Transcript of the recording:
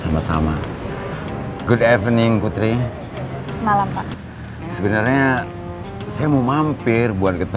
masih dilempar juga ki